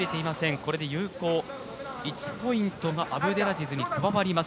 これで有効１ポイントがアブデラジズに加わります。